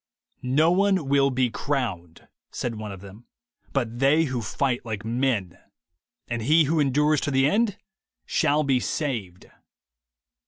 ...' 'No one will be crowned,' said one of them, 'but they who fight like men; and he who endures to the end shall be saved.'